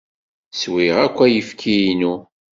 Swiɣ akk ayefki-inu.